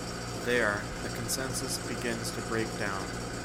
There, the consensus begins to break down.